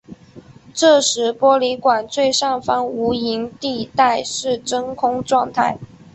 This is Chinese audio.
这时玻璃管最上方无水银地带是真空状态。